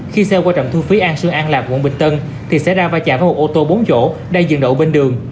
khi xe qua trạm thu phí an sương an lạc quận bình tân thì xảy ra va chạm với một ô tô bốn chỗ đang dừng đậu bên đường